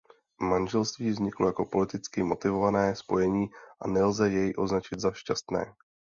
Manželství vzniklo jako politicky motivované spojení a nelze je označit za šťastné.